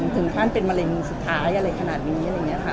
ถึงขั้นเป็นมะเร็งสุดท้ายอะไรขนาดนี้